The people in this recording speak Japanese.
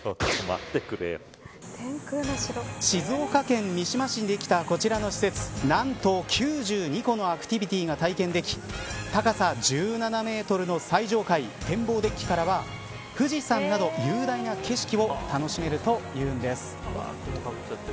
静岡県三島市にできたこちらの施設何と９２個のアクティビティが体験でき高さ１７メートルの最上階展望デッキからは富士山など雄大な景色を楽しめるというんです。